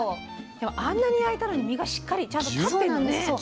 でもあんなに焼いたのに実がしっかりちゃんと立ってんのね。